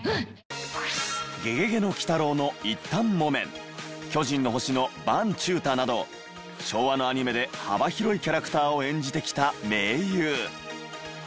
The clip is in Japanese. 『ゲゲゲの鬼太郎』の一反もめん『巨人の星』の伴宙太など昭和のアニメで幅広いキャラクターを演じてきた名優。